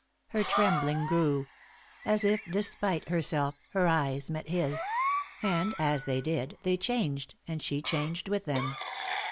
Her trembling grew ; as if despite herself her eyes met his ; and, as they did, they changed, and she changed with them.